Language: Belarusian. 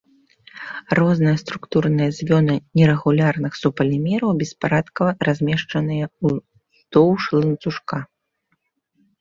Розныя структурныя звёны нерэгулярных супалімераў беспарадкава размешчаныя ўздоўж ланцужка.